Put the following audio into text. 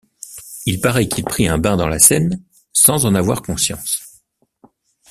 Il paraît qu’il prit un bain dans la Seine sans en avoir conscience.